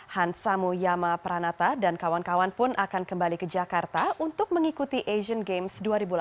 hansamu yama pranata dan kawan kawan pun akan kembali ke jakarta untuk mengikuti asian games dua ribu delapan belas